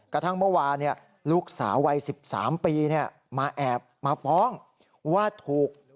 กระทั่งเมื่อวานลูกสาววัย๑๓ปีมาแอบมาฟ้องว่าถูก